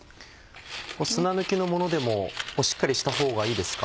砂抜きのものでもしっかりした方がいいですか？